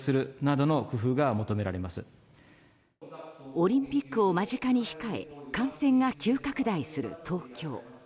オリンピックを間近に控え感染が急拡大する東京。